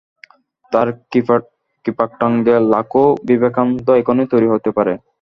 তাঁর কৃপাকটাক্ষে লাখো বিবেকানন্দ এখনি তৈরী হতে পারে।